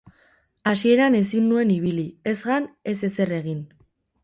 Hasieran ezin nuen ibili, ez jan, ez ezer egin.